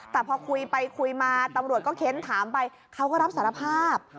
แต่พอคุยไปคุยมาตำรวจก็เค้นถามไปเขาก็รับสารภาพ